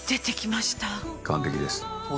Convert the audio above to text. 完璧です。